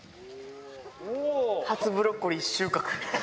初ブロッコリー、収穫。